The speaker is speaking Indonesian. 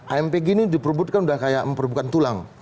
ampg ini diperbutkan udah kayak bukan tulang